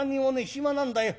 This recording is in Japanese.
暇なんだよ。